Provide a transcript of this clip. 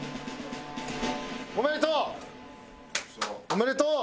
おめでとう！